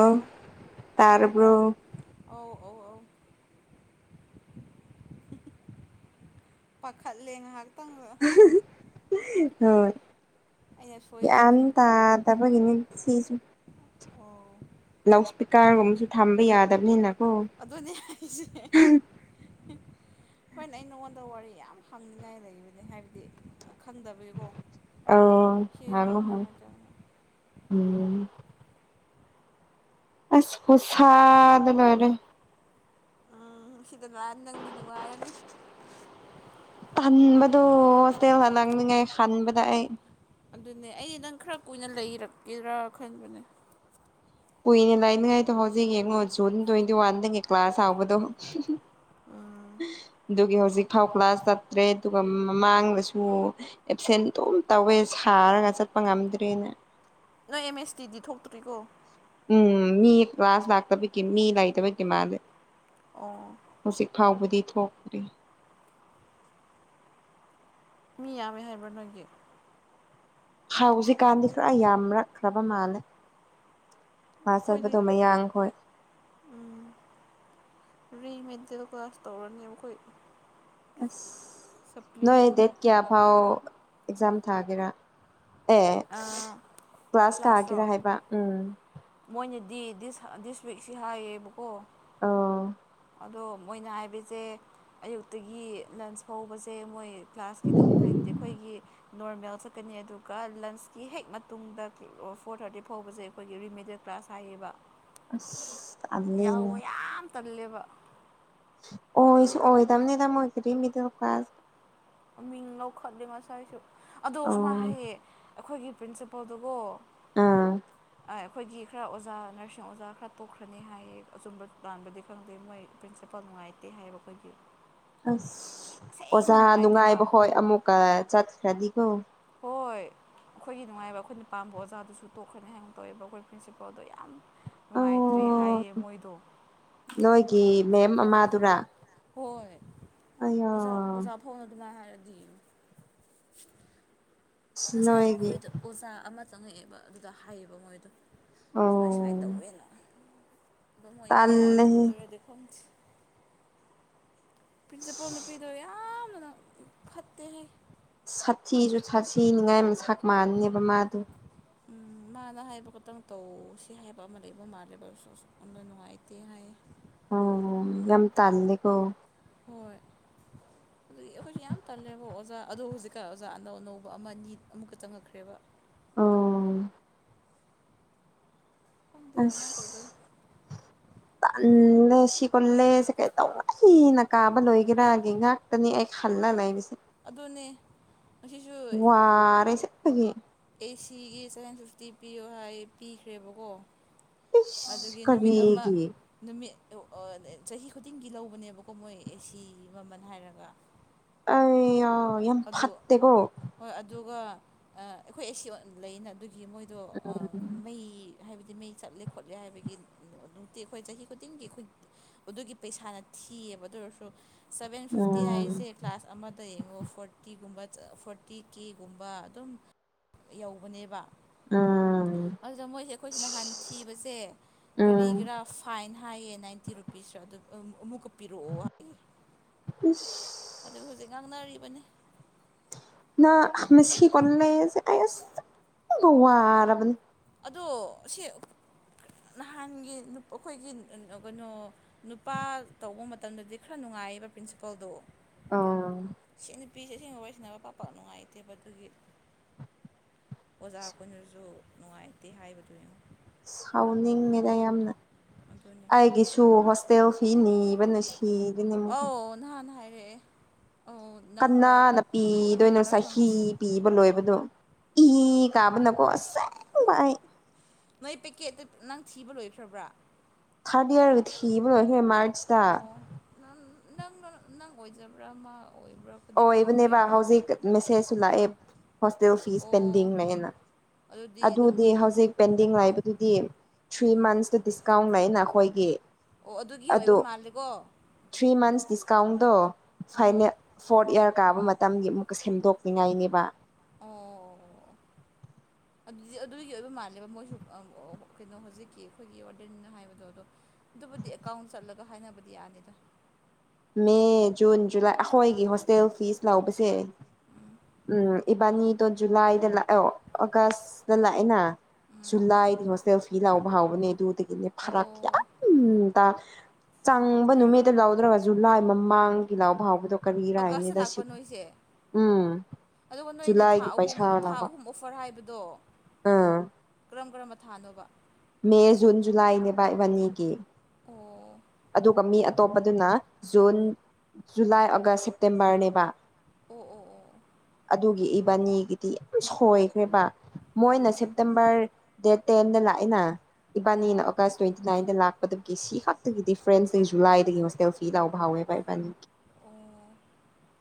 ꯑꯣ ꯇꯥꯔꯕ꯭ꯔꯣ ꯇꯔꯕ꯭ꯔꯥ ꯑꯧ ꯑꯧ ꯑꯧ ꯄꯈꯠꯂꯦ ꯉꯍꯥꯛꯇꯪ ꯍꯣꯏ ꯒ꯭ꯌꯥꯟ ꯁꯣꯏꯕ꯭ꯔꯁꯤꯅꯤ ꯇꯗꯕꯒꯤꯅꯤ ꯁꯤꯁꯨ ꯑꯣ ꯂꯥꯎꯠ ꯁ꯭ꯄꯤꯀꯔꯒꯨꯝꯕꯁꯨ ꯊꯝꯕ ꯌꯥꯗꯕꯅꯤꯅ ꯑꯗꯨꯅꯤ ꯍꯥꯏꯁꯦ ꯍꯣꯏꯅꯦ ꯑꯩ ꯅꯉꯣꯟꯗ ꯋꯥꯔꯤ ꯌꯥꯝ ꯍꯪꯅꯤꯡꯉꯥꯏ ꯂꯩꯕꯅꯤ ꯍꯥꯏꯕꯗꯤ ꯈꯪꯗꯕꯒꯤꯀꯣ ꯑꯣ ꯁꯤꯁꯨ ꯍꯪꯉꯣ ꯍꯪꯕ ꯍꯪꯉꯣ ꯌꯥꯗ꯭ꯔꯕꯅꯦ ꯎꯝ ꯑꯁ ꯈꯨꯁꯥꯗ ꯂꯣꯏꯔꯦ ꯎꯝ ꯁꯤꯗ ꯂꯥꯛꯑꯗꯤ ꯅꯪꯗꯤ ꯅꯨꯡꯉꯥꯏꯔꯅꯤ ꯇꯟꯕꯗꯨ ꯍꯣꯁꯇꯦꯜꯗ ꯅꯪꯅꯤꯡꯉꯥꯏ ꯍꯟꯕꯗ ꯑꯩ ꯑꯗꯨꯅꯦ ꯑꯩ ꯅꯪ ꯈꯔ ꯀꯨꯏꯅ ꯂꯩꯔꯛꯀꯦꯔꯥ ꯈꯟꯕꯅꯦ ꯀꯨꯏꯅꯦ ꯂꯥꯛꯅꯤꯡꯉꯥꯏꯗꯣ ꯍꯧꯖꯤꯛ ꯌꯦꯡꯉꯣ ꯖꯨꯟ ꯇ꯭ꯋꯦꯟꯇꯤ ꯋꯥꯟꯗꯒꯤ ꯀ꯭ꯂꯥꯁ ꯍꯥꯎꯕꯗꯣ ꯎꯝ ꯗꯨꯒꯤ ꯍꯧ ꯍꯧꯖꯤꯛꯐꯥꯎ ꯀ꯭ꯂꯥꯁ ꯆꯠꯇ꯭ꯔꯦ ꯑꯗꯨꯒ ꯃꯃꯥꯡꯗꯁꯨ ꯑꯦꯞꯁꯦꯟ ꯑꯗꯨꯝ ꯇꯧꯋꯦ ꯁꯥꯔꯒ ꯆꯠꯄ ꯉꯝꯗ꯭ꯔꯦꯅꯥ ꯅꯣꯏ ꯑꯦꯝ ꯑꯦꯁ ꯇꯤꯗꯤ ꯊꯣꯛꯇ꯭ꯔꯤꯀꯣ ꯎꯝ ꯃꯤ ꯀ꯭ꯂꯥꯁ ꯂꯥꯛꯇꯕꯒꯤ ꯃꯤ ꯂꯩꯇꯕꯩ ꯃꯤ ꯂꯩꯇꯕꯒꯤ ꯃꯥꯂꯦ ꯑꯣ ꯍꯧꯖꯤꯛ ꯐꯥꯎꯕꯗꯤ ꯊꯣꯛꯇ꯭ꯔꯤ ꯃꯤ ꯌꯥꯝꯃꯦ ꯍꯥꯏꯕ꯭ꯔꯥ ꯅꯣꯏꯒꯤ ꯍꯧꯖꯤꯛꯀꯥꯟꯗꯤ ꯈꯔ ꯌꯥꯝꯔꯛꯈ꯭ꯔꯕ ꯃꯥꯂꯦ ꯀꯂꯁ ꯑꯩꯈꯣꯏꯗꯤ ꯆꯠꯄꯗꯣ ꯃꯌꯥꯡꯈꯣꯏ ꯔꯤꯃꯦꯗꯦꯜ ꯀꯣꯂꯦꯁ ꯇꯧꯔꯅꯤꯕꯈꯣꯏ ꯑꯁ ꯅꯣꯏ ꯑꯩꯈꯣꯏꯒꯤ ꯗꯦꯠ ꯀꯌꯥ ꯐꯥꯎ ꯑꯦꯛꯖꯥꯝ ꯊꯥꯒꯦꯔꯥ ꯑꯦ ꯑꯥ ꯀ꯭ꯂꯥꯁ ꯀ꯭ꯂꯥꯁꯔꯣ ꯀꯥꯒꯦꯔ ꯍꯥꯏꯕ ꯎꯝ ꯗꯤ ꯗꯤꯁ ꯗꯤꯁ ꯋꯤꯛꯁꯤ ꯍꯥꯏꯌꯦꯕꯀꯣ ꯑꯥ ꯑꯗꯣ ꯃꯣꯏꯅ ꯍꯥꯏꯕꯁꯦ ꯑꯌꯨꯛꯇꯒꯤ ꯂꯟꯁ ꯐꯕꯁꯦ ꯃꯣꯏ ꯀ꯭ꯂꯥꯁꯀꯤ ꯑꯗꯨꯝ ꯍꯥꯏꯕꯗꯤ ꯑꯩꯈꯣꯏꯒꯤ ꯅꯣꯔꯃꯦꯜ ꯆꯠꯀꯅꯤ ꯑꯗꯨꯒ ꯂꯟꯁ ꯀꯤ ꯍꯦꯛ ꯃꯇꯨꯡꯗꯒꯤ ꯐꯣꯔ ꯊꯥꯔꯇꯤ ꯐꯥꯎꯕꯁꯦ ꯑꯩꯈꯣꯏꯒꯤ ꯔꯤꯃꯦꯗꯦꯠ ꯀ꯭ꯂꯥꯁ ꯍꯥꯏꯌꯦꯕ ꯑꯁ ꯇꯜꯂꯦꯅꯦ ꯌꯥꯎꯕ ꯌꯥꯝ ꯇꯜꯂꯦꯕ ꯑꯣꯁꯨ ꯑꯣꯏ ꯗꯝꯅꯤꯗ ꯃꯣꯏꯒꯤꯗꯤ ꯃꯤꯗꯜ ꯀ꯭ꯂꯥꯁ ꯃꯤꯡ ꯂꯧꯈꯠꯂꯤ ꯉꯁꯥꯏꯁꯨ ꯑꯗꯣ ꯑꯣ ꯑꯁꯨꯃꯥꯏ ꯍꯥꯏꯌꯦ ꯑꯩꯈꯣꯏꯒꯤ ꯄ꯭ꯔꯤꯟꯁꯤꯄꯜꯗꯨꯒꯣ ꯎꯝ ꯑꯩꯈꯣꯏꯒꯤ ꯈꯔ ꯑꯣꯖꯥ ꯅꯔꯁꯤꯡ ꯑꯣꯖꯥ ꯈꯔ ꯇꯣꯛꯈ꯭ꯔꯅꯤ ꯍꯥꯏꯌꯦ ꯑꯆꯨꯝꯕ ꯂꯥꯟꯕꯗꯤ ꯈꯪꯗꯦ ꯃꯣꯏ ꯄ꯭ꯔꯤꯟꯁꯤꯄꯜ ꯄ ꯅꯨꯡꯉꯥꯏꯇꯦ ꯍꯥꯏꯕ ꯑꯩꯈꯣꯏꯒꯤ ꯑꯁ ꯑꯁꯦꯡꯕ ꯑꯣꯖꯥ ꯅꯨꯡꯉꯥꯏꯇꯦꯕ ꯅꯨꯡꯉꯥꯏꯕ ꯍꯣꯏ ꯑꯃꯨꯛꯀ ꯆꯠꯈ꯭ꯔꯗꯤꯀꯣ ꯍꯣꯏ ꯑꯩꯈꯣꯏꯒꯤ ꯅꯨꯡꯉꯥꯏꯕ ꯑꯩꯈꯣꯏꯅ ꯄꯥꯝꯕ ꯑꯣꯖꯥꯗꯨꯁꯨ ꯇꯣꯛꯈ꯭ꯔꯅꯤ ꯍꯥꯏꯒꯨ ꯇꯧꯋꯦꯕ ꯑꯩꯈꯣꯏ ꯄ꯭ꯔꯤꯟꯁꯤꯄꯥꯜꯗꯣ ꯌꯥꯝ ꯑꯣ ꯅꯨꯡꯉꯥꯏꯇ꯭ꯔꯦ ꯍꯥꯏꯌꯦ ꯃꯣꯏꯗꯣ ꯅꯣꯏꯒꯤ ꯃꯦꯝ ꯑꯃꯥꯗꯨꯔ ꯍꯣꯏ ꯑꯣꯖꯥ ꯑꯣꯖꯥ ꯐꯥꯎꯅ ꯑꯗꯨꯃꯥꯏ ꯍꯥꯏꯔ ꯉꯁꯥꯏ ꯅꯣꯏꯒꯤ ꯑꯩꯈꯣꯏꯗ ꯑꯣꯖꯥ ꯑꯃ ꯆꯪꯉꯛꯑꯦꯕ ꯑꯗꯨꯗ ꯍꯥꯏꯌꯦꯕ ꯃꯣꯏꯗꯣ ꯁꯨꯃꯥꯏ ꯁꯨꯃꯥꯏꯅ ꯑꯣ ꯇꯧꯋꯦꯅ ꯑꯗꯨꯃꯣꯏ ꯀꯌꯥ ꯇꯜꯂꯦꯍꯦ ꯇꯣꯛꯇꯣꯏꯔꯗꯤ ꯈꯪꯗꯦ ꯄ꯭ꯔꯤꯟꯁꯤꯄꯜ ꯅꯨꯄꯤꯗꯣ ꯌꯥꯝꯅ ꯐꯠꯇꯦ ꯍꯦ ꯁꯥꯊꯤꯁꯨ ꯁꯥꯊꯤꯅꯤꯉꯥꯏ ꯃꯁꯛ ꯃꯥꯟꯅꯦꯕ ꯃꯥꯗꯣ ꯎꯝ ꯃꯥꯅ ꯍꯥꯏꯕ ꯈꯛꯇꯪ ꯇꯧꯁꯤ ꯍꯥꯏꯕ ꯑꯃ ꯂꯩꯕ ꯃꯥꯜꯂꯦꯕ ꯑꯗꯨꯁꯨ ꯑꯗꯨꯅ ꯅꯨꯡꯉꯥꯏꯇꯦ ꯍꯥꯏꯌꯦ ꯑꯣ ꯌꯥꯝ ꯇꯜꯂꯦꯀꯣ ꯍꯣꯏ ꯑꯗꯨꯒꯤ ꯑꯩꯈꯣꯏꯁꯨ ꯌꯥꯝ ꯇꯜꯂꯦꯕ ꯑꯣꯖꯥ ꯑꯗꯣ ꯍꯧꯖꯤꯛꯀꯥꯟ ꯑꯣꯖꯥ ꯑꯅꯧ ꯑꯅꯧꯕ ꯑꯃ ꯑꯅꯤ ꯑꯃꯨꯛꯀ ꯆꯪꯉꯛꯈ꯭ꯔꯦꯕ ꯑꯣ ꯈꯪꯗꯦ ꯑꯁ ꯀꯃꯥꯏꯅ ꯇꯧꯗꯣꯏꯅꯣ ꯇꯜꯂꯦ ꯁꯤ ꯀꯣꯜꯂꯦꯁꯦ ꯀꯩ ꯇꯧꯕꯩꯅ ꯀꯥꯕ ꯂꯣꯏꯒꯦꯔꯒꯤ ꯉꯥꯛꯇꯅꯤ ꯑꯩ ꯈꯜꯂ ꯂꯩꯔꯤꯁꯦ ꯑꯗꯨꯅꯦ ꯉꯁꯤꯁꯨ ꯋꯥꯔꯦ ꯆꯠꯄꯒꯤ ꯑꯦ ꯁꯤꯒꯤ ꯁꯚꯦꯟ ꯐꯤꯐꯇꯤ ꯄꯤꯌꯣ ꯍꯥꯏ ꯄꯤꯈ꯭ꯔꯦꯕꯀꯣ ꯏꯁ ꯑꯗꯨꯒꯤ ꯅꯨꯃꯤꯠ ꯑꯃ ꯀꯔꯤꯒꯤ ꯅꯨꯃꯤꯠ ꯑ ꯑꯣ ꯆꯍꯤ ꯈꯨꯗꯤꯡꯒꯤ ꯂꯧꯕꯅꯦꯕꯀꯣ ꯃꯣꯏ ꯑꯦꯁꯤ ꯃꯃꯜ ꯍꯥꯏꯔꯒ ꯑꯩ ꯌꯥ ꯌꯥꯝ ꯐꯠꯇꯦꯀꯣ ꯑ ꯑꯩꯈꯣꯏ ꯑꯦ ꯁꯤ ꯑꯣ ꯂꯩꯅ ꯑꯗꯨꯒꯤ ꯃꯣꯏꯗꯣ ꯎꯝ ꯃꯩ ꯍꯥꯏꯕꯗꯤ ꯃꯩ ꯆꯠꯂꯦ ꯈꯣꯠꯂꯦ ꯍꯥꯏꯕꯒꯤ ꯅꯨꯡꯇꯤ ꯑꯩꯈꯣꯏ ꯆꯍꯤ ꯈꯨꯗꯤꯡꯒꯤ ꯑꯩꯈꯣꯏ ꯑꯗꯨꯒꯤ ꯄꯩꯁꯥꯅ ꯊꯤ ꯊꯤꯌꯦꯕ ꯑꯗꯨ ꯑꯣꯏꯔꯁꯨ ꯁꯥꯚꯦꯟ ꯐꯤꯐꯇꯤ ꯎꯝ ꯍꯥꯏꯁꯦ ꯀ꯭ꯂꯥꯁ ꯑꯃꯗ ꯌꯦꯡꯉꯣ ꯇꯤ ꯒꯨꯝꯕ ꯐꯣꯔꯇꯤ ꯀꯦꯒꯨꯝꯕ ꯑꯗꯨꯝ ꯌꯧꯕꯅꯦꯕ ꯎꯝ ꯑꯗꯨꯗ ꯃꯣꯏꯁꯦ ꯑꯩꯈꯣꯏꯁꯤ ꯅꯍꯥꯟ ꯊꯤꯕꯁꯦ ꯎꯝ ꯀꯔꯤꯒꯤꯔꯥ ꯐꯥꯏꯟ ꯊꯥꯏꯌꯦ ꯅꯥꯏꯟꯇꯤ ꯔꯨꯄꯤꯁꯔ ꯑꯗꯨꯝ ꯑꯃꯨꯛꯀ ꯄꯤꯔꯛꯑꯣ ꯍꯥꯏꯌꯦ ꯏꯁ ꯑꯗꯨ ꯍꯧꯖꯤꯛ ꯉꯥꯡꯅꯔꯤꯕꯅꯤ ꯅ ꯃꯁꯤ ꯀꯂꯦꯖꯁꯦ ꯑꯁ ꯌꯥꯝ ꯋꯥꯔꯕꯅꯤ ꯑꯗꯣ ꯁꯤ ꯅꯍꯥꯟꯒꯤ ꯑꯩꯈꯣꯏꯒꯤ ꯀꯩꯅꯣ ꯅꯨꯄꯥ ꯇꯧꯕ ꯃꯇꯝꯗꯗꯤ ꯈꯔ ꯅꯨꯡꯉꯥꯏ ꯉꯥꯏꯕ ꯄ꯭ꯔꯤꯟꯁꯤꯄꯜꯗꯣ ꯑꯥ ꯁꯤ ꯅꯨꯄꯤꯁꯦ ꯑꯁꯦꯡꯕ ꯋꯥꯔꯤ ꯁꯥꯅꯕ ꯄꯥꯛ ꯄꯥꯛ ꯅꯨꯡꯉꯥꯏꯇꯦꯕ ꯑꯗꯨꯒꯤ ꯑꯣꯖꯥ ꯈꯣꯏꯅꯁꯨ ꯅꯨꯡꯉꯥꯏꯇꯦ ꯍꯥꯏꯕꯗꯨ ꯌꯦꯡꯉꯨ ꯁꯥꯎꯅꯤꯡꯉꯦꯗꯥ ꯌꯥꯝꯅ ꯑꯗꯨꯅꯦ ꯑꯩꯒꯤꯁꯨ ꯐꯤ ꯅꯤꯕꯅ ꯁꯤ ꯑ ꯅꯍꯥꯟ ꯍꯥꯏꯔꯛꯑꯦ ꯑꯧ ꯀꯅꯥ ꯅꯪꯔꯥ ꯄꯤꯗꯣꯢꯅꯣ ꯀꯅꯥꯔꯥ ꯆꯍꯤ ꯈꯪꯗꯦ ꯄꯤꯕ ꯂꯣꯏꯕ ꯗꯣ ꯏꯏ ꯀꯥꯕꯅꯀꯣ ꯑꯁꯦꯡꯕ ꯑꯩ ꯅꯣꯏ ꯄꯦꯛꯀꯦꯠꯇ ꯅꯪ ꯊꯤꯕ ꯂꯣꯏꯈ꯭ꯔꯕ꯭ꯔꯥ [unintelligible] ꯊꯤꯕ [unintelligible] ꯃꯥꯔꯆꯗ ꯑꯣ ꯅꯪ ꯅꯪ ꯅꯪ ꯑꯣꯏꯖꯕ꯭ꯔꯥ ꯑꯃ ꯑꯣꯏꯕꯅꯦꯕ ꯍꯧꯖꯤꯛ ꯃꯦꯁꯦꯖꯁꯨ ꯂꯥꯛꯑꯦ ꯍꯣꯁꯇꯦꯜ ꯐꯤꯁ ꯄꯦꯟꯗꯤꯡ ꯑꯣ ꯂꯩꯅ ꯑꯗꯨꯗꯤ ꯍꯧꯖꯤꯛ ꯄꯦꯟꯗꯤꯡ ꯑꯦꯀꯥꯎꯟ ꯂꯩꯕꯗꯨꯗꯤ ꯊ꯭ꯔꯤ ꯎꯝ ꯃꯟꯁꯇ ꯗꯤꯁꯀꯥꯎꯟ ꯂꯩꯅ ꯑꯩꯈꯣꯏ ꯑꯣ ꯑꯗꯨꯒꯤ ꯑꯣꯏꯕ ꯃꯥꯜꯂꯦꯀꯣ ꯑꯦꯀꯥꯎꯟꯗꯣ ꯎꯝ ꯐꯥꯏꯅꯦ ꯌꯔ ꯀꯥꯕ ꯃꯇꯝꯒꯤ ꯑꯃꯨꯛꯀ ꯁꯦꯝꯗꯣꯛꯅꯤꯡꯉꯥꯏꯅꯦꯕ ꯑꯣ ꯑꯗꯨꯗꯤ ꯑꯗꯨꯒꯤ ꯑꯣꯏꯕ ꯃꯥꯜꯂꯦꯕ ꯃꯣꯏꯁꯨ ꯀꯩꯅꯣ ꯍꯧꯖꯤꯛꯀꯤ ꯑꯩꯈꯣꯏꯒꯤ ꯑꯣꯔꯗꯦꯟꯅ ꯍꯥꯏꯕꯗꯣ ꯑꯗꯣ ꯑꯗꯨꯕꯨꯗꯤ ꯑꯦꯀꯥꯎꯟ ꯆꯠꯂꯒ ꯍꯥꯏꯅꯕꯗꯤ ꯌꯥꯅꯤꯗ ꯃꯦ ꯖꯨꯟ ꯖꯨꯂꯥꯏ ꯑꯩꯈꯣꯏꯒꯤ ꯍꯣꯁꯇꯦꯜ ꯐꯤꯁ ꯂꯧꯕꯁꯦ ꯎꯝ ꯎꯝ ꯏꯕꯥꯅꯤꯗꯣ ꯖꯨꯂꯥꯏꯗ ꯂꯥꯛꯑꯦ ꯑꯣꯒꯁꯇ ꯂꯥꯛꯑꯦꯅ ꯎꯝ ꯖꯨꯂꯥꯏꯗꯤ ꯍꯣꯁꯇꯦꯜ ꯐꯤ ꯂꯧꯕ ꯍꯥꯎꯕꯅꯦ ꯑꯗꯨꯗꯒꯤꯅꯦ ꯑꯣ ꯐꯔꯛ ꯌꯥꯝ ꯇꯥ ꯆꯪꯕ ꯅꯨꯃꯤꯠꯇ ꯂꯧꯗ꯭ꯔꯒꯁꯨ ꯖꯨꯂꯥꯏ ꯃꯃꯥꯡꯒꯤ ꯂꯧꯕ ꯍꯧꯕꯗꯣ ꯀꯔꯤꯔ ꯑꯥꯒꯁꯇ ꯍꯥꯢꯕꯅꯤꯗꯁꯤ ꯂꯥꯛꯄ ꯅꯣꯏꯁꯦ ꯎꯝ ꯑꯗꯨꯒ ꯅꯣꯏꯅ ꯊꯥ ꯖꯨꯂꯥꯏꯒꯤ ꯑꯍꯨꯝ ꯄꯩꯁꯥ ꯊꯥ ꯂꯧꯕ ꯑꯍꯨꯝ ꯑꯣꯐꯔ ꯍꯥꯏꯕꯗꯣ ꯑꯥ ꯀꯔꯝ ꯀꯔꯝꯕ ꯊꯥꯅꯣꯕ ꯃꯦ ꯖꯨꯟ ꯖꯨꯂꯥꯏꯅꯦ ꯏꯕꯥꯅꯤꯒꯤ ꯑꯣ ꯑꯗꯨꯒ ꯃꯤ ꯑꯇꯣꯞꯄ ꯑꯗꯨꯅ ꯖꯨꯟ ꯖꯨꯂꯥꯏ ꯑꯣꯒꯁ ꯁꯦꯞꯇꯦꯝꯕꯔꯅꯦꯕ ꯑꯣ ꯑꯣ ꯑꯣ ꯑꯗꯨꯒꯤ ꯏꯕꯥꯅꯤꯒꯤꯗꯤ ꯌꯥꯝ ꯁꯣꯏꯈ꯭ꯔꯦꯕ ꯃꯣꯏꯅ ꯎꯝ ꯁꯦꯞꯇꯦꯝꯕꯔ ꯗꯦꯠ ꯇꯦꯟꯗ ꯂꯥꯛꯏꯅ ꯏꯕꯥꯅꯤꯅ ꯑꯣꯒ ꯇ꯭ꯋꯦꯟꯇꯤ ꯅꯥꯏꯟꯗ ꯂꯥꯛꯄꯗ ꯄꯤ ꯁꯤ ꯈꯛꯇꯒꯤ ꯗꯤꯐ꯭ꯔꯦꯟꯁ ꯖꯨꯂꯥꯏꯗꯒꯤ ꯍꯣꯁꯇꯦꯜ ꯐꯤ ꯂꯧ ꯍꯧꯋꯦꯕ ꯏꯕꯥꯅꯤꯒꯤ ꯑꯣ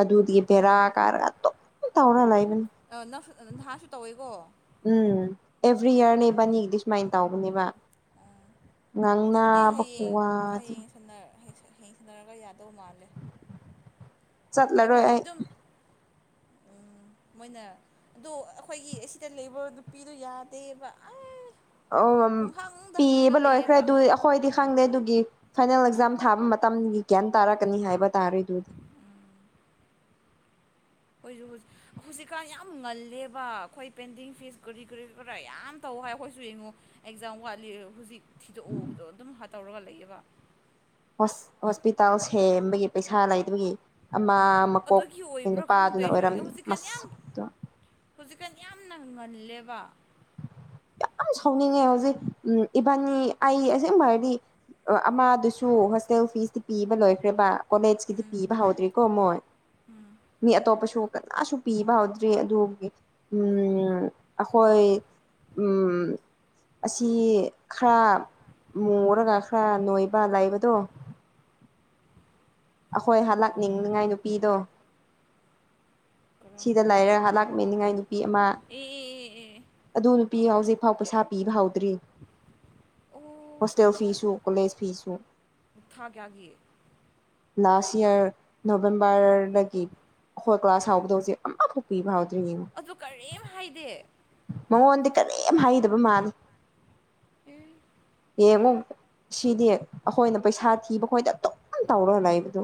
ꯑꯗꯨꯗꯒꯤ ꯕꯦꯔꯥ ꯀꯥꯔꯒ ꯑꯗꯨꯝ ꯇꯧꯔ ꯂꯩꯏꯕꯅꯤ ꯑ ꯅꯪꯁꯨ ꯅꯍꯥꯁꯨ ꯇꯧꯋꯦꯀꯣ ꯎꯝ ꯑꯦꯚ꯭ꯔꯤ ꯑꯣ ꯌꯔꯅꯦ ꯏꯕꯥꯅꯤꯒꯤꯗꯤ ꯁꯨꯃꯥꯏꯅ ꯇꯥꯎꯕꯅꯦꯕ ꯑꯣ ꯑꯗꯨꯕꯨꯗꯤ ꯉꯥꯡꯅꯕ ꯍꯌꯦꯡ ꯈꯨꯋꯥꯗꯤ ꯍꯌꯦꯡ ꯁꯥꯟꯅ ꯍꯌꯦꯡ ꯁꯥꯟꯅꯔꯒ ꯌꯥꯗꯧ ꯃꯥꯜꯂꯦ ꯆꯠꯂꯔꯣꯏ ꯍꯥꯏꯕꯤꯗꯤ ꯑꯩ ꯑꯗꯨꯝ ꯎꯝ ꯃꯣꯏꯅ ꯑꯗꯨ ꯑꯩꯈꯣꯏꯒꯤ ꯑꯁꯤꯗ ꯂꯩꯕ ꯅꯨꯄꯤꯗꯨ ꯌꯥꯗꯦꯕ ꯑ ꯑꯣ ꯄꯨꯡꯍꯪꯗ ꯍꯪꯉꯒ ꯄꯤꯕ ꯂꯣꯏꯈ꯭ꯔꯦ ꯂꯩꯌꯦꯕ ꯑꯗꯨ ꯑꯩꯈꯣꯏꯗꯤ ꯈꯪꯗꯦ ꯑꯗꯨꯒꯤ ꯐꯥꯏꯅꯦꯜ ꯑꯦꯛꯖꯥꯝ ꯊꯥꯕ ꯃꯇꯝꯒꯤ ꯒ꯭ꯌꯥꯟ ꯇꯥꯔꯛꯀꯅꯤ ꯍꯥꯏꯕ ꯇꯥꯔꯦ ꯑꯗꯨꯗꯤ ꯎꯝ ꯑꯩꯈꯣꯏꯁꯨ ꯍꯨꯖꯤ ꯍꯧꯖꯤꯛꯀꯥꯟ ꯌꯥꯝ ꯉꯜꯂꯦꯕ ꯑꯩꯈꯣꯏ ꯄꯦꯟꯗꯤꯡ ꯐꯤꯁ ꯀꯔꯤ ꯀꯔꯤ ꯀꯔꯥ ꯌꯥꯝ ꯇꯧ ꯍꯣꯏ ꯑꯩꯈꯣꯏꯁꯨ ꯌꯦꯡꯉꯣ ꯑꯦꯛꯖꯥꯝ ꯋꯥꯠꯂꯤ ꯍꯧꯖꯤꯛ ꯊꯤꯗꯣꯛꯑꯣꯗꯣ ꯑꯗꯨꯝ ꯇꯧꯔꯒ ꯂꯩꯑꯕ ꯍꯣꯁꯄꯤꯇꯥꯜ ꯁꯦꯝꯕꯒꯤ ꯄꯩꯁꯥ ꯂꯩꯇꯕꯒꯤ ꯑꯃ ꯑꯗꯨꯒꯤ ꯃꯀꯣꯛꯀꯤ ꯑꯣꯏꯕ꯭ꯔꯥ ꯈꯪꯗꯦ ꯅꯨꯄꯥꯗꯨꯅ ꯑꯩꯁꯨ ꯑꯣꯏꯔꯝꯅꯤ ꯃꯁꯛꯇꯨ ꯀꯟ ꯌꯥꯝꯅ ꯉꯜꯂꯦꯕ ꯌꯥꯝ ꯁꯥꯎꯅꯤꯡꯉꯦ ꯍꯧꯖꯤꯛ ꯎꯝ ꯏꯕꯥꯅꯤ ꯑꯩ ꯑꯁꯦꯡꯕꯩ ꯍꯥꯏꯔꯗꯤ ꯑꯃꯗꯨꯁꯨ ꯍꯣꯁꯇꯦꯜ ꯐꯤꯁꯇꯤ ꯄꯤꯕ ꯂꯣꯏꯈ꯭ꯔꯦꯕ ꯀꯣꯂꯦꯖꯀꯤꯗꯤ ꯎꯝ ꯄꯤꯕ ꯍꯧꯗ꯭ꯔꯤꯀꯣ ꯃꯣꯏ ꯎꯝ ꯃꯤ ꯑꯇꯣꯞꯄꯁꯨ ꯀꯅꯥꯁꯨ ꯄꯤꯕ ꯍꯧꯥꯗ꯭ꯔꯤ ꯑꯗꯨꯒꯤ ꯎꯝ ꯑꯈꯣꯏ ꯎꯝ ꯑꯁꯤ ꯈꯔ ꯃꯨꯔꯒ ꯈꯔ ꯅꯣꯏꯕ ꯂꯩꯕꯗꯣ ꯑꯈꯣꯏ ꯑꯣ ꯍꯜꯂꯛꯅꯤꯡꯅꯤꯉꯥꯏ ꯅꯨꯄꯤꯗꯣ ꯁꯤꯗ ꯀꯔꯝꯕꯔꯣ ꯂꯥꯏꯔꯒ ꯍꯜꯂꯥꯛꯃꯤꯅꯤꯡꯉꯥꯏꯅꯤ ꯑꯦ ꯑꯦ ꯑꯦ ꯑꯦ ꯑꯗꯨ ꯅꯨꯄꯤ ꯍꯧꯖꯤꯛꯐꯥꯎ ꯄꯩꯁꯥ ꯄꯤꯕ ꯍꯧꯗ꯭ꯔꯤ ꯑꯣ ꯍꯣꯁꯇꯦꯜ ꯐꯤꯁꯁꯨ ꯀꯣꯂꯦꯖ ꯐꯤꯁꯁꯨ ꯊꯥ ꯀꯌꯥꯒꯤ ꯂꯥꯁ ꯌꯌꯥꯔ ꯅꯣꯕꯦꯝꯕꯔꯗꯒꯤ ꯑꯩꯈꯣꯏ ꯀ꯭ꯂꯥꯁ ꯍꯥꯎꯕꯗ ꯍꯧꯖꯤꯛ ꯑꯃꯐꯥꯎ ꯄꯤꯕ ꯍꯧꯥ ꯑꯗꯨ ꯀꯔꯤꯝ ꯍꯥꯏꯗꯦ ꯃꯉꯣꯟꯗꯤ ꯀꯔꯤꯝ ꯍꯥꯏꯗꯕ ꯃꯥꯜꯂꯤ ꯑꯦ ꯌꯦꯡꯉꯣ ꯁꯤꯗꯤ ꯑꯈꯣꯏꯅ ꯄꯩꯁꯥ ꯊꯤꯕ ꯑꯈꯣꯏꯗ ꯑꯗꯨꯝ ꯇꯧꯔꯒ ꯂꯩꯕꯗꯣ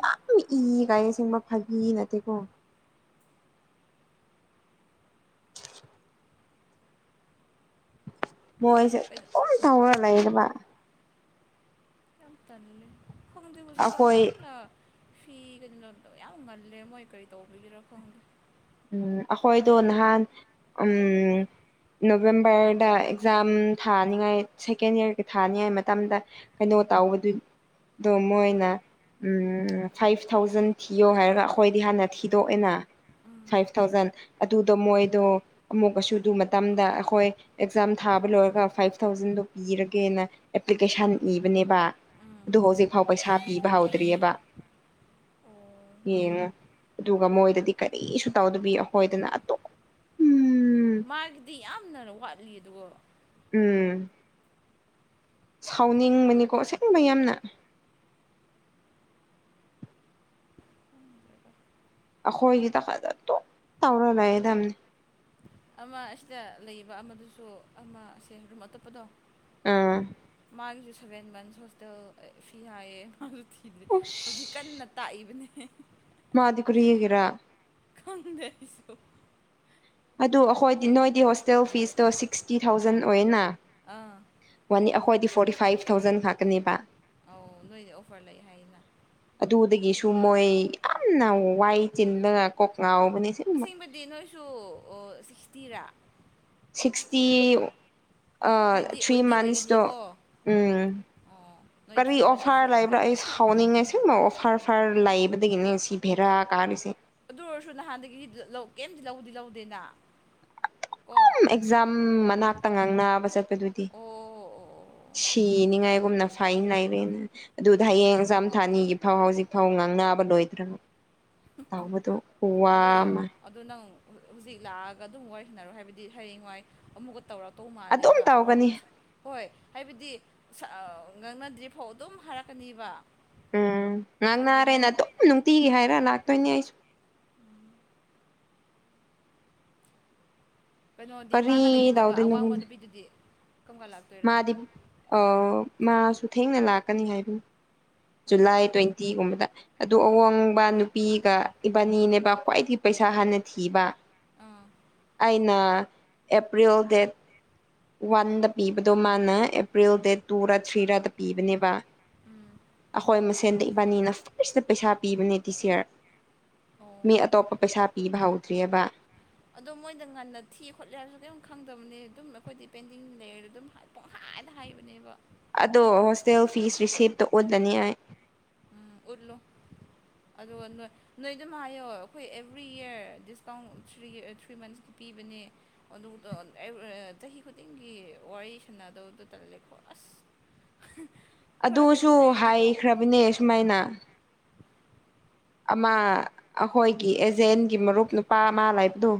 ꯌꯥꯝ ꯏ ꯀꯥꯏꯌꯦ ꯑꯁꯦꯡꯕ ꯐꯥꯒꯤ ꯅꯠꯇꯦꯀꯣ [inaudible] ꯃꯣꯏꯁ ꯀꯩꯅꯣ ꯑꯣꯏ ꯇꯧꯔ ꯂꯩꯥꯔꯕ ꯌꯥꯝ ꯇꯜꯂꯦ ꯈꯪꯗꯦ ꯍꯧꯖꯤꯛꯀꯟ ꯑꯩꯈꯣꯏ ꯌꯥꯝꯅ ꯐꯤ ꯀꯩꯅꯣꯗꯣ ꯌꯥꯝ ꯉꯜꯂꯦ ꯃꯣꯏ ꯀꯔꯤ ꯇꯧꯕꯒꯤꯔꯥ ꯈꯪꯗꯦ ꯎꯝ ꯑꯩꯈꯣꯏꯗꯣ ꯅꯍꯥꯟ ꯎꯝ ꯅꯣꯕꯦꯝꯕꯔꯗ ꯑꯦꯛꯖꯥꯝ ꯊꯥꯅꯤꯡꯉꯥꯏ ꯁꯦꯀꯦꯟ ꯌꯌꯥꯔꯒꯤ ꯊꯥꯅꯤꯉꯥꯏ ꯃꯇꯝꯗ ꯀꯩꯅꯣ ꯇꯧꯕ ꯗꯨ ꯗꯨ ꯃꯣꯏꯅ ꯎꯝ ꯐꯥꯏꯚ ꯊꯥꯎꯖꯟ ꯊꯤꯌꯣ ꯍꯥꯏꯔꯒ ꯑꯩꯈꯣꯏꯗꯤ ꯍꯥꯟꯅ ꯊꯤꯗꯣꯛꯑꯦꯅ ꯎꯝ ꯐꯥꯏꯚ ꯊꯥꯎꯖꯟ ꯑꯗꯨꯗꯣ ꯃꯣꯏꯗꯣ ꯑꯃꯨꯛ ꯀꯁꯨ ꯑꯗꯨ ꯃꯇꯝꯗ ꯑꯩꯈꯣꯏ ꯑꯦꯛꯖꯥꯝ ꯊꯥꯕ ꯂꯣꯏꯔꯒ ꯐꯥꯏꯚ ꯊꯥꯎꯖꯟꯗꯣ ꯄꯤꯔꯒꯦꯅ ꯑꯦꯄ꯭ꯂꯤꯀꯦꯁꯟ ꯏꯕꯅꯦꯕ ꯎꯝ ꯑꯗꯨ ꯍꯧꯖꯤꯛꯐꯥꯎ ꯄꯩꯁꯥ ꯄꯤꯕ ꯍꯧꯗ꯭ꯔꯤꯑꯕ ꯌꯦꯡꯉꯣ ꯑꯗꯨꯒ ꯃꯣꯏꯗꯗꯤ ꯀꯩ ꯔꯤꯁꯨ ꯇꯧꯗꯕꯤ ꯑꯩꯈꯣꯏꯗꯅ ꯑꯗꯨꯝ ꯎꯝ ꯃꯥꯒꯤꯗꯤ ꯌꯥꯝꯅ ꯋꯥꯠꯂꯤ ꯑꯗꯨꯒ ꯎꯝ ꯁꯥꯎꯅꯤꯡꯕꯅꯤꯀꯣ ꯑꯁꯦꯡꯕ ꯌꯥꯝꯅ ꯑꯈꯣꯏꯒꯤꯗ ꯍꯗꯠꯇꯨꯝ ꯇꯧꯔ ꯂꯩꯔꯗꯝꯅꯤ ꯑꯃ ꯑꯁꯤꯗ ꯂꯩꯕ ꯑꯃꯗꯨꯁꯨ ꯑꯃꯁꯦ ꯔꯨꯝ ꯑꯇꯣꯞꯄꯗꯣ ꯑꯝ ꯃꯥꯒꯤꯁꯨ ꯁꯚꯦꯟ ꯃꯟꯁ ꯍꯣꯁꯇꯦꯜ ꯐꯤ ꯍꯥꯏꯌꯦ ꯃꯥꯁꯨ ꯊꯤꯗ꯭ꯔꯤ ꯍꯧꯖꯤꯛ ꯀꯟꯅ ꯑꯁ ꯇꯥꯛꯏꯕꯅꯦ [unintelligible] ꯃꯥꯗꯤ ꯀꯔꯤꯒꯤꯔꯥ ꯈꯪꯗꯦ ꯑꯩꯁꯨ ꯑꯗꯨ ꯑꯈꯣꯏꯗꯤ ꯅꯣꯏꯗꯤ ꯍꯣꯁꯇꯦꯜ ꯐꯤꯁꯇꯣ ꯁꯤꯛꯁꯇꯤ ꯊꯥꯎꯖꯟ ꯑꯣꯏꯌꯦꯅ ꯑꯥ ꯋꯥꯅꯤ ꯑꯈꯣꯏꯗꯤ ꯐꯣꯔꯇꯤ ꯐꯥꯏꯚ ꯊꯥꯎꯖꯟ ꯈꯛꯇꯥꯅꯦꯕ ꯑꯧ ꯅꯣꯏꯗꯤ ꯑꯣꯐꯔ ꯂꯩ ꯍꯥꯏꯌꯦꯅ ꯇꯨ ꯃꯣꯏ ꯌꯥꯝꯅ ꯋꯥꯏ ꯆꯤꯟꯗꯅ ꯀꯣꯛ ꯉꯥꯎ ꯑꯁꯦꯡꯕꯗꯤ ꯅꯣꯏꯁꯨ ꯁꯤꯛꯁꯇꯤꯔꯥ ꯁꯤꯛꯁꯇꯤ ꯑ ꯍꯥꯏꯗꯤ ꯊ꯭ꯔꯤ ꯑꯣꯏꯗꯤ ꯃꯟꯁꯇꯣ ꯑꯣꯏꯒꯅꯤꯀꯣ ꯎꯝ ꯑꯣ ꯅꯣꯏ ꯀꯔꯤ ꯊ꯭ꯔꯤ ꯃꯟꯁ ꯑꯣꯐꯥꯔ ꯑꯣꯐꯔ ꯂꯩꯕ꯭ꯔꯥ ꯑꯩ ꯑꯣꯏꯕꯤꯅꯦꯕ ꯁꯥꯎꯅꯤꯡꯉꯦ ꯁꯤꯡ ꯑꯣꯐꯔ ꯑꯣꯐꯔ ꯂꯩꯕꯗꯒꯤꯅꯦ ꯁꯤ ꯚꯦꯔꯥ ꯀꯥꯔꯤꯁꯦ ꯑꯗꯨ ꯑꯣꯏꯔꯁꯨ ꯅꯍꯥꯟꯗꯒꯤꯗꯤ ꯀꯩꯝꯇ ꯂꯧꯕꯗꯤ ꯂꯧꯗꯦꯅ ꯀꯣ ꯑꯣ ꯑꯗꯨꯝ ꯑꯦꯛꯖꯥꯝ ꯃꯅꯥꯛꯇ ꯉꯥꯡꯅꯕ ꯆꯠꯄꯗꯨꯗꯤ ꯑꯣ ꯑꯣ ꯑꯣ ꯁꯤꯅꯤꯉꯥꯏ ꯑꯗꯨꯒꯨꯝꯅ ꯐꯥꯏꯟ ꯂꯩꯔꯦꯅ ꯑꯗꯨꯗ ꯍꯌꯦꯡ ꯑꯦꯛꯖꯥꯝ ꯊꯥꯅꯤꯌꯦ ꯐꯥꯎ ꯍꯧꯖꯤꯛ ꯐꯥꯎ ꯉꯥꯡꯅꯕ ꯂꯣꯏꯗ꯭ꯔꯒ ꯇꯧꯕꯗꯣ ꯑꯗꯣ ꯈꯨꯋꯥꯃ ꯑꯗꯣ ꯅꯪ ꯍꯧꯖꯤꯛ ꯂꯥꯛꯑꯒ ꯑꯗꯨꯝ ꯋꯥꯔꯤ ꯁꯥꯟꯅꯔꯣ ꯍꯥꯏꯕꯗꯤ ꯍꯌꯦꯡꯋꯥꯏ ꯑꯃꯨꯛꯀ ꯇꯧꯔꯛꯇꯧ ꯑꯗꯨꯝ ꯃꯥꯜꯂꯦꯕ ꯋ꯭ꯔ ꯇꯧꯒꯅꯤ ꯍꯣꯏ ꯍꯥꯏꯕꯗꯤ ꯉꯥꯡꯅꯗ꯭ꯔꯤꯐꯥꯎ ꯑꯗꯨꯝ ꯍꯥꯏꯔꯛꯀꯅꯤꯕ ꯎꯝ ꯑꯗꯨꯗꯒꯤ ꯅꯪ ꯉꯥꯡꯅꯔꯦꯅ ꯑꯗꯨꯝ ꯅꯨꯡꯇꯤꯒꯤ ꯍꯥꯏꯔ ꯂꯥꯛꯇꯣꯏꯅꯦ ꯑꯩꯁꯨ ꯀꯩꯅꯣꯗꯤ ꯀꯔꯤ ꯃꯥꯒ ꯂꯩꯃꯤꯟꯅꯕ ꯇꯧꯗꯣꯏꯅꯣ ꯑꯋꯥꯡꯕ ꯈꯪꯗꯦ ꯅꯨꯄꯤꯗꯨꯗꯤ ꯀꯔꯝ ꯀꯥꯟ ꯂꯥꯛꯇꯣꯏꯔꯥ ꯃꯥꯗꯤ ꯑꯣ ꯃꯥꯁꯨ ꯊꯦꯡꯅ ꯂꯥꯛꯀꯅꯤ ꯍꯥꯏꯕꯅꯤ ꯖꯨꯂꯥꯏ ꯇ꯭ꯋꯦꯟꯇꯤꯒꯨꯝꯕꯗ ꯑꯗꯨ ꯑꯋꯥꯡꯕ ꯅꯨꯄꯤꯒ ꯏꯕꯥꯟꯅꯤꯅꯦꯕ ꯈ꯭ꯋꯥꯏꯗꯒꯤ ꯄꯩꯁꯥ ꯁꯥ ꯍꯥꯟꯅ ꯊꯤꯕ ꯑꯥ ꯑꯩꯅꯥ ꯑꯦꯄ꯭ꯔꯤꯜ ꯗꯦꯠ ꯋꯥꯟꯗ ꯄꯤꯕꯗꯣ ꯃꯥꯅ ꯑꯦꯄ꯭ꯔꯤꯜ ꯗꯦꯠ ꯇꯨꯔꯥ ꯊ꯭ꯔꯤꯔꯥꯗ ꯄꯤꯕꯅꯦꯕ ꯎꯝ ꯑꯈꯣꯏ ꯃꯁꯦꯟꯗ ꯏꯕꯥꯟꯅꯤꯅ ꯐꯥꯔꯁꯇ ꯄꯩꯁꯥ ꯄꯤꯕꯅꯦ ꯗꯤꯁ ꯌꯤꯔ ꯑꯣ ꯃꯤ ꯑꯇꯣꯞꯄ ꯄꯩꯁꯥ ꯄꯤꯕ ꯍꯧꯗ꯭ꯔꯤꯑꯕ ꯑꯗꯣ ꯃꯣꯏꯗ ꯉꯟꯅ ꯊꯤꯈꯣꯠꯂꯦ ꯍꯥꯏꯕꯁꯨ ꯀꯔꯤꯝ ꯈꯪꯗꯕꯅꯤ ꯑꯗꯨꯝ ꯑꯈꯣꯏꯗꯤ ꯄꯦꯟꯗꯤꯡ ꯂꯩꯔ ꯑꯗꯨꯝ ꯄꯣꯍꯥ ꯍꯥꯏꯗ ꯍꯥꯏꯕꯅꯦꯕ ꯑꯗꯣ ꯍꯣꯁꯇꯦꯜ ꯐꯤꯁ ꯔꯤꯁꯤꯞꯇ ꯎꯠꯂꯅꯤ ꯑꯩ ꯎꯠꯂꯨ ꯑꯗꯨ ꯅꯣꯏ ꯅꯣꯏ ꯑꯗꯨꯝ ꯍꯥꯏꯌꯣ ꯑꯈꯣꯏ every year discount three three months ꯄꯤꯕꯅꯦ ꯑꯗꯨ ꯗ [unintelligible] ꯆꯍꯤ ꯈꯨꯗꯤꯡꯒꯤ ꯋꯥꯔꯤ ꯁꯥꯟꯅꯗꯧꯗꯨ ꯇꯜꯂꯦꯀꯣ ꯑꯁ [unintelligible] ꯈꯔ ꯀꯩꯅꯣ ꯑꯗꯨꯁꯨ ꯊꯥꯏꯔꯗꯤꯀꯣ ꯍꯥꯏꯈ꯭ꯔꯕꯅꯦ ꯁꯨꯃꯥꯏꯅ ꯑꯃ ꯑꯈꯣꯏꯒꯤ ꯑꯦꯖꯦꯟꯒꯤ ꯃꯔꯨꯞ ꯅꯨꯄꯥ ꯑꯃ ꯂꯩꯕꯗꯨ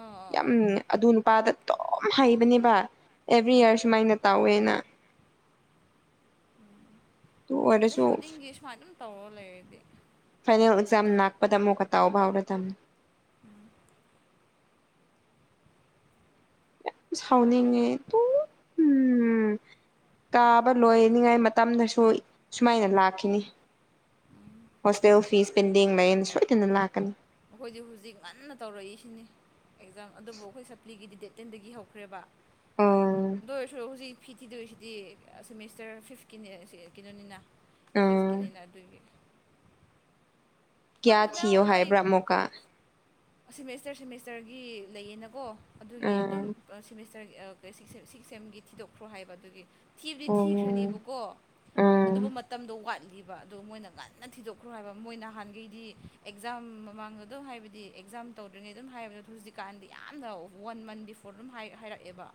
ꯑꯥ ꯌꯥꯝ ꯑꯥ ꯑꯥ ꯑꯗꯨ ꯅꯨꯄꯥꯗ ꯗꯨꯝ ꯍꯩꯕꯅꯦꯕ ꯑꯦꯕꯔꯤ ꯑꯥ ꯌꯤꯔ ꯁꯨꯃꯥꯏꯅ ꯇꯧꯋꯦꯅ ꯎꯝ ꯑꯗꯨ [unintelligible] ꯆꯍꯤ ꯑꯣꯏꯔꯁꯨ ꯈꯨꯗꯤꯡꯒꯤ ꯁꯨꯃꯥꯏꯅ ꯑꯗꯨꯝ ꯇꯧ ꯐꯥꯏꯅꯦꯜ ꯑꯦꯛꯖꯥꯝ ꯅꯥꯛꯄꯗ ꯑꯃꯨꯛꯀ ꯇꯧꯕꯥ ꯍꯧꯔꯗꯅꯤ ꯎꯝ ꯌꯥꯝ ꯁꯥꯎꯅꯤꯡꯉꯦ ꯇꯨꯠ [inaudible] ꯀꯥꯕ ꯂꯣꯏꯅꯤꯉꯥꯏ ꯃꯇꯝꯗꯁꯨ ꯁꯨꯃꯥꯏꯅ ꯂꯥꯛꯈꯤꯅꯤ ꯍꯣꯁꯇꯦꯜ ꯐꯤꯁ ꯄꯦꯟꯗꯤꯡ ꯂꯩꯌꯦꯅ ꯁꯣꯏꯗꯅ ꯂꯥꯛꯀꯅꯤ ꯑꯈꯣꯏꯗꯤ ꯍꯧꯖꯤꯛ ꯉꯟꯅ ꯇꯧꯔꯛꯏꯁꯤꯅꯤ ꯑꯦꯛꯖꯥꯝ ꯑꯗꯨꯕꯨ ꯈꯣꯏ ꯁꯞꯄ꯭ꯂꯤꯒꯤꯗꯤ ꯗꯦꯠ ꯇꯦꯟꯗꯒꯤ ꯍꯧꯈ꯭ꯔꯦꯕ ꯑꯣ ꯑꯗꯨ ꯑꯣꯏꯔꯁꯨ ꯍꯨꯖꯤꯛ ꯐꯤ ꯊꯤꯗꯣꯏꯁꯤꯗꯤ ꯁꯦꯃꯤꯁꯇꯔ ꯐꯤꯐꯀꯤꯅꯦ ꯀꯩꯅꯣꯅꯤꯅ ꯑꯥ ꯁꯤꯛꯁꯀꯤꯅꯤꯅ ꯑꯗꯨꯒꯤ ꯀꯤꯌꯥ ꯈꯪꯗꯦꯗ ꯊꯤꯌꯣ ꯃꯣꯏ ꯍꯥꯏꯕ꯭ꯔꯥ ꯑꯃꯨꯛꯀꯥ ꯁꯦꯃꯦꯁꯇꯔ ꯁꯦꯃꯦꯁꯇꯔꯒꯤ ꯂꯩꯌꯦꯅꯀꯣ ꯑꯗꯨꯒꯤ ꯑꯥ ꯑꯗꯨꯝ ꯁꯦꯃꯦꯁ ꯀꯔꯤ ꯑꯥ ꯁꯤꯛꯁ ꯁꯦ ꯁꯤꯛꯁ ꯁꯦꯝꯒꯤ ꯊꯤꯗꯣꯛꯈ꯭ꯔꯣ ꯍꯥꯏꯕ ꯑꯗꯨꯒꯤ ꯊꯤꯕꯗꯤ ꯑꯣ ꯊꯤꯈ꯭ꯔꯅꯤꯕꯀꯣ ꯑꯥ ꯑꯗꯨꯕꯨ ꯃꯇꯝꯗꯣ ꯋꯥꯠꯂꯤꯕ ꯕ ꯃꯣꯏꯅ ꯉꯟꯅ ꯊꯤꯗꯣꯛꯈ꯭ꯔꯣ ꯍꯥꯏꯕ ꯃꯣꯏ ꯅꯍꯥꯟꯒꯩ ꯗꯤ ꯑꯦꯛꯖꯥꯝ ꯃꯃꯥꯡꯗ ꯑꯗꯨꯝ ꯍꯥꯏꯕꯗꯤ ꯑꯦꯛꯖꯥꯝ ꯇꯧꯗ꯭ꯔꯤꯉꯩ ꯑꯗꯨꯝ ꯍꯥꯏꯕꯗꯣ ꯑꯗꯨ ꯍꯧꯖꯤꯛꯀꯥꯟꯗꯤ ꯌꯥꯝꯅ ꯋꯠ ꯋꯥꯟ ꯃꯟ ꯕꯤꯐꯣꯔ ꯑꯗꯨꯝ ꯍꯥꯏ ꯍꯥꯏꯔꯛꯑꯦꯕ